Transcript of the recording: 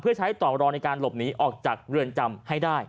เพื่อใช้ต่อรอในการหลบหนีออกจากเรือนจำให้ได้